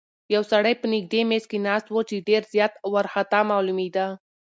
یو سړی په نږدې میز کې ناست و چې ډېر زیات وارخطا معلومېده.